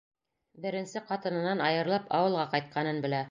Беренсе ҡатынынан айырылып ауылға ҡайтҡанын белә.